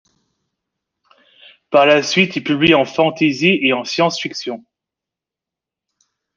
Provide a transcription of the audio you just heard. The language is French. Par la suite il publie en fantasy et en science-fiction.